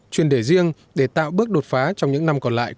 chuyên đề riêng để tạo bước đột phá trong những năm còn lại